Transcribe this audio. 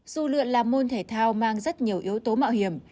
dù lượn là môn thể thao mang rất nhiều yếu tố mạo hiểm